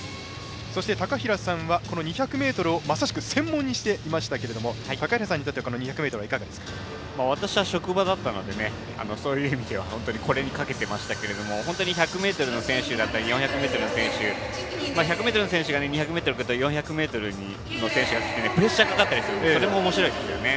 そして、高平さんは２００ｍをまさしく専門にしていましたけれども高平さんにとっては私は職場だったのでそういう意味ではこれにかけていましたけど本当に１００ｍの選手だったり４００ｍの選手１００ｍの選手が２００ｍのこと４００ｍの選手だっていってプレッシャーかかったりするのでそれも、おもしろいですよね。